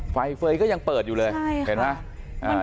ไฟเฟย์ก็ยังเปิดอยู่เลยเห็นไหม